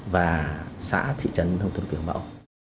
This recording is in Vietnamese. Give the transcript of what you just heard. và xã thị trấn nông thôn kiểu mẫu